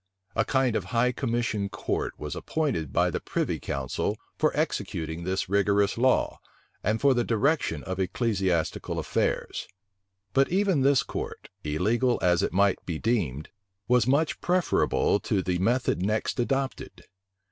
A kind of high commission court was appointed by the privy council, for executing this rigorous law, and for the direction of ecclesiastical affairs. But even this court, illegal as it might be deemed, was much preferable to the method next adopted.